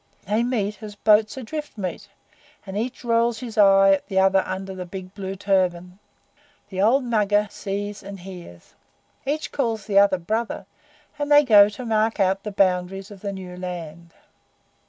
They meet as boats adrift meet, and each rolls his eye at the other under the big blue turban. The old Mugger sees and hears. Each calls the other 'Brother,' and they go to mark out the boundaries of the new land.